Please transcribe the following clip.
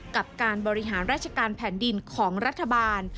กับการบริหารราชการแผ่นดินของรัฐบาล